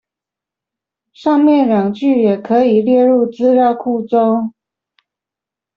上面兩句也可以列入資料庫中